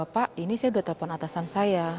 pak ini saya sudah telepon atasan saya